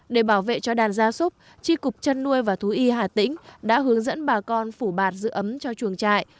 để bảo vệ cho đàn gia súc tri cục chăn nuôi và thú y hà tĩnh đã hướng dẫn bà con phủ bạt giữ ấm cho chuồng trại